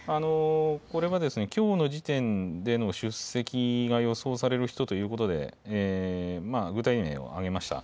これは、きょうの時点での出席が予想される人ということで、具体名を挙げました。